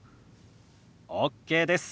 ＯＫです。